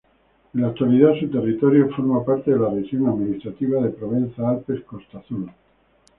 En la actualidad su territorio forma parte de la región administrativa de Provenza-Alpes-Costa Azul.